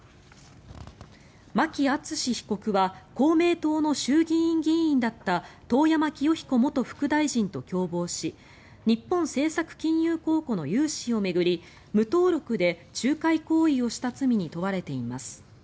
牧厚被告は公明党の衆議院議員だった遠山清彦元副大臣と共謀し日本政策金融公庫の融資を巡り無登録で仲介行為をした罪に問われています。